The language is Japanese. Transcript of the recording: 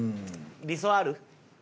理想ある？